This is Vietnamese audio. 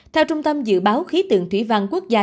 theo trung tâm dự báo khí tượng thủy văn quốc gia